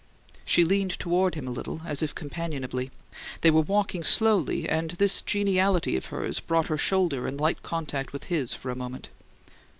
She leaned toward him a little, as if companionably: they were walking slowly, and this geniality of hers brought her shoulder in light contact with his for a moment.